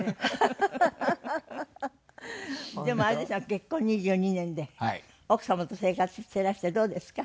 結婚２２年で奥様と生活してらしてどうですか？